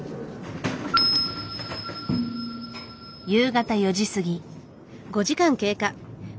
夕方４時過ぎ。